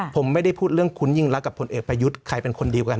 ผมไม่ได้พูดเรื่องคุณยิ่งรักกับผลเอกประยุทธ์ใครเป็นคนเดียวกัน